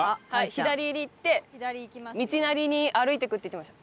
左に行って道なりに歩いていくって言ってました。